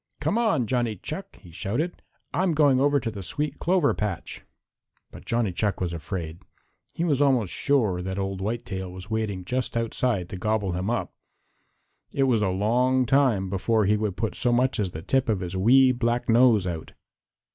"Come on, Johnny Chuck," he shouted. "I'm going over to the sweet clover patch." But Johnny Chuck was afraid. He was almost sure that Old Whitetail was waiting just outside to gobble him up. It was a long time before he would put so much as the tip of his wee black nose out.